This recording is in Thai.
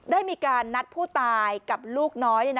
ได้มีการนัดผู้ตายกับลูกน้อย